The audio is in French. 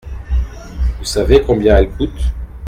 Vous savez combien elle coûte ?